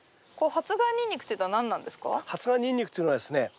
発芽ニンニクっていうのはですね